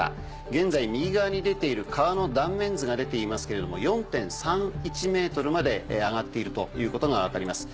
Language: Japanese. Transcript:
現在右側に出ている川の断面図が出ていますけれども４．３１ｍまで上がっているということが分かります。